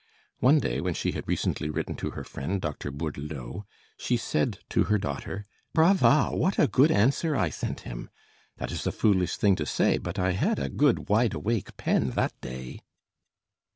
One day, when she had recently written to her friend Dr. Bourdelot, she said to her daughter, "Brava! what a good answer I sent him! That is a foolish thing to say, but I had a good, wide awake pen that day."